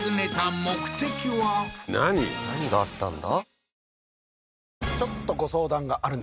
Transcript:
何があったんだ？